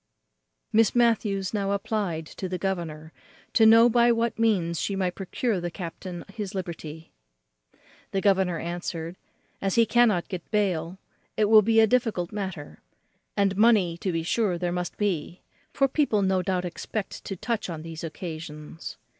Miss Matthews now applied to the governor to know by what means she might procure the captain his liberty. The governor answered, "As he cannot get bail, it will be a difficult matter; and money to be sure there must be; for people no doubt expect to touch on these occasions.